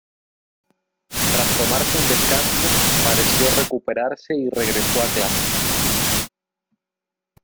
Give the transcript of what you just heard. Tras tomarse un descanso, pareció recuperarse y regresó a clases.